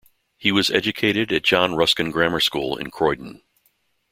He was educated at John Ruskin Grammar School in Croydon.